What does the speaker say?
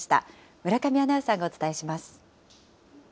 村上アナウンサーがお伝えします。